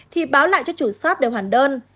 thì báo lại cho chủ shop để hoàn đơn